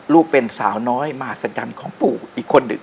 ลูกเป็นสาวน้อยมาสัญญาณของปูอีกคนอื่น